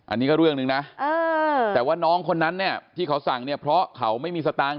อันนี้ก็เรื่องหนึ่งนะแต่ว่าน้องคนนั้นเนี่ยที่เขาสั่งเนี่ยเพราะเขาไม่มีสตางค์